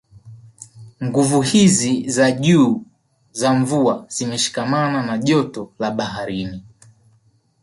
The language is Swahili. Nguvu hizi za juu za mvua zimeshikamana na joto la baharini